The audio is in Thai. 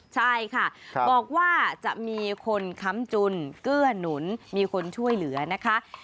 ใช่ค่ะบอกว่าจะมีคนค้ำจุนเกื้อหนุนมีคนช่วยเหลือนะคะ